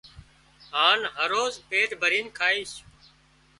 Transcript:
هانَ هروز پيٽ ڀرينَ کائيش